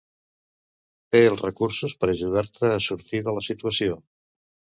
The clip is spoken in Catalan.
Té els recursos per ajudar-te a sortir de la situació